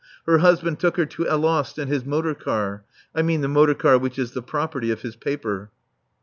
Her husband took her to Alost in his motor car; I mean the motor car which is the property of his paper.